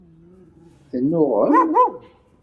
Tennuɣem?